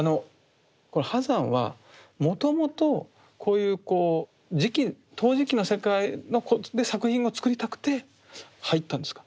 波山はもともとこういう磁器陶磁器の世界で作品を作りたくて入ったんですか？